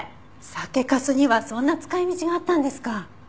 酒粕にはそんな使い道があったんですか。